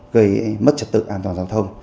gây mất trật tự an toàn giao thông